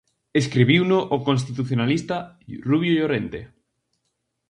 Escribiuno o constitucionalista Rubio Llorente.